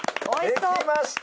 できました！